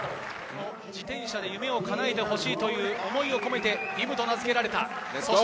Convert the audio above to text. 自転車で夢をかなえてほしいという思いを込めて、輪夢と名付けられました。